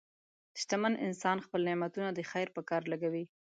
شتمن انسان خپل نعمتونه د خیر په کار لګوي.